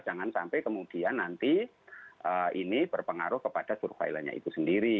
jangan sampai kemudian nanti ini berpengaruh kepada surveillance nya itu sendiri